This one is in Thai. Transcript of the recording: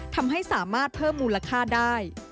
ทำให้สามารถเพิ่มมูลค่าได้